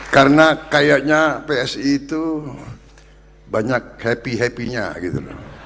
karena kayaknya psi itu banyak happy happiness gitu